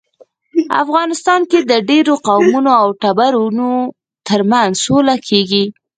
افغانستان کې د ډیرو قومونو او ټبرونو ترمنځ سوله کیږي